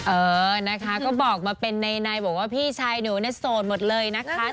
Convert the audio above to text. เออนะคะก็บอกมาเป็นในบอกว่าพี่ชายหนูเนี่ยโสดหมดเลยนะคะ